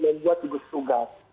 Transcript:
ini juga membuat tugas tugas